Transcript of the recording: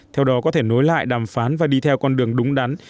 theo đó có thể nối lại đàm phán và đi theo con đường đúng đắn